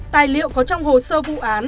tài liệu có trong hồ sơ vụ án